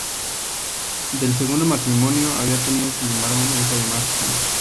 Del segundo matrimonio había tenido sin embargo una hija llamada Susana.